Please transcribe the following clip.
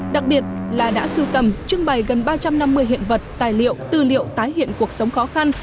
đặc biệt là đã sưu tầm trưng bày gần ba trăm năm mươi hiện vật tài liệu tư liệu tái hiện cuộc sống khó khăn